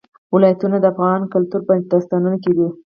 ولایتونه د افغان کلتور په داستانونو کې دي.